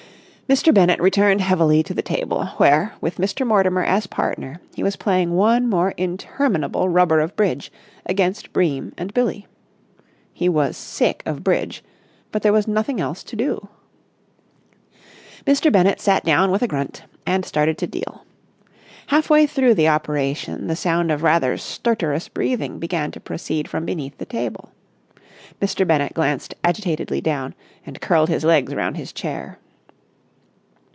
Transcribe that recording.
Mr. Bennett returned heavily to the table, where, with Mr. Mortimer as partner he was playing one more interminable rubber of bridge against Bream and Billie. He was sick of bridge, but there was nothing else to do. Mr. Bennett sat down with a grunt, and started to deal. Half way through the operation the sound of rather stertorous breathing began to proceed from beneath the table. Mr. Bennett glanced agitatedly down, and curled his legs round his chair.